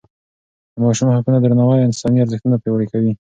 د ماشوم حقونو درناوی انساني ارزښتونه پیاوړي کوي.